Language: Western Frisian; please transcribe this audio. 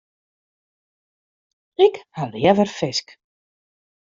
Ik ha leaver fisk.